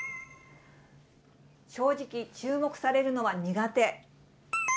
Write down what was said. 正直、注目されるのは苦手。